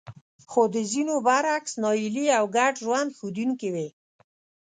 خو د ځينو برعکس ناهيلي او ګډوډ ژوند ښودونکې وې.